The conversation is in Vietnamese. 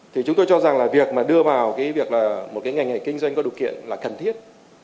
thì chúng tôi cho rằng là việc mà đưa vào cái việc là một cái ngành nghề kinh doanh có điều kiện là cần thiết